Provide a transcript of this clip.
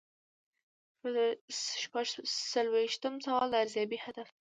شپږ څلویښتم سوال د ارزیابۍ هدف دی.